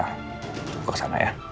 aku kesana ya